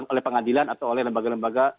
oleh pengadilan atau oleh lembaga lembaga